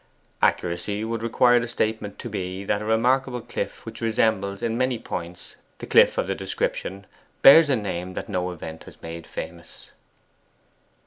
Accuracy would require the statement to be that a remarkable cliff which resembles in many points the cliff of the description bears a name that no event has made famous.